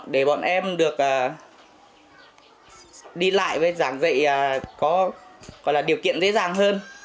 để bọn em được đi lại với giảng dạy có điều kiện dễ dàng hơn